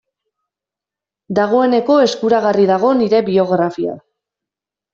Dagoeneko eskuragarri dago nire biografia.